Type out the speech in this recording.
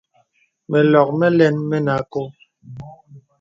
Mə lɔk məlɛn mənə àkɔ̄ɔ̄.